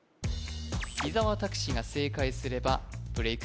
伊沢拓司が正解すればブレイク